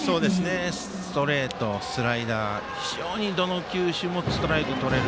ストレート、スライダー非常にどの球種もストライクとれる。